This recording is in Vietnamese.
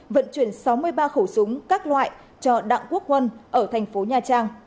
vận chuyển sáu mươi ba khẩu súng các loại cho đặng quốc huân ở tp hcm